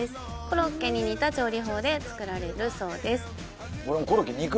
コロッケに似た調理法で作られるそうです